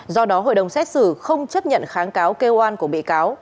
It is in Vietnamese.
do đó hội đồng xét xử không chấp nhận kháng cáo kêu oan của bị cáo